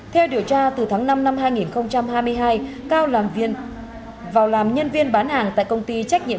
theo điều tra từ tháng năm năm hai nghìn hai mươi hai cao làm nhân viên bán hàng tại công ty trách nhiệm